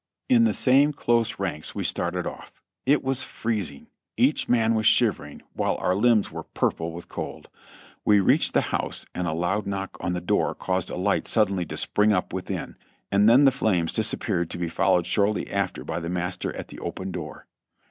In the same close ranks we started off. It was freezing; each man was shivering, while our limbs were purple with cold. We reached the house and a loud knock on the door caused a light suddenly to spring up within, and then the flames disappeared to be followed shortly after by the master at the open door.